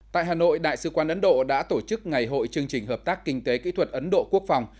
tại hà nội đại sứ quan ấn độ đã tổ chức ngày hội chương trình hợp tác kinh tế kỹ thuật ấn độ quốc phòng